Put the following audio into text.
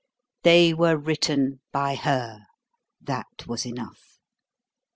They were written by her that was enough.